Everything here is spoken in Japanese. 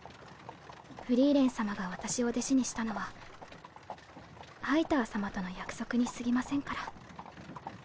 フリーレン様が私を弟子にしたのはハイター様との約束に過ぎませんから。